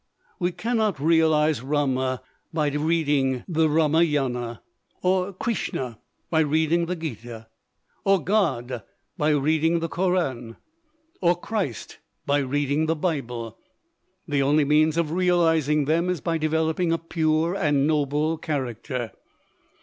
We cannot realise Rama by reading the Ramayana, or Krishna by reading the Gita, or God by reading the Koran, or Christ by reading the Bible; the only means of realising them is by developing a pure and noble character.